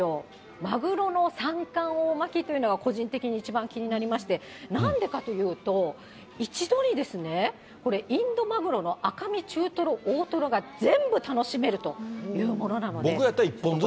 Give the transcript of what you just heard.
マグロの三冠王巻きというのが個人的に一番気になりまして、なんでかというと、一度にこれ、インドマグロの赤身、中トロ、大トロが全部楽しめるというものなので。